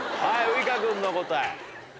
ウイカ君の答え。